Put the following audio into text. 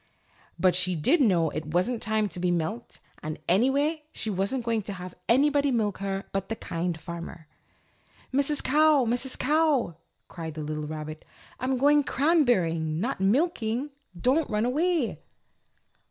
But she did know it wasn't time to be milked, and, anyway, she wasn't going to have anybody milk her but the Kind Farmer. "Mrs. Cow! Mrs. Cow!" cried the little rabbit, "I'm going cranberrying, not milking. Don't run away!"